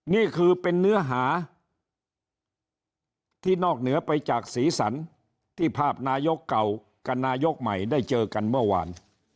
นี่คือเป็นเนื้อหาที่นอกเหนือไปจากสีสันที่ภาพนายกเก่ากับนายกใหม่ได้เจอกันเมื่อวาน